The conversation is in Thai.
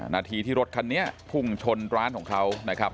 นาทีที่รถคันนี้พุ่งชนร้านของเขานะครับ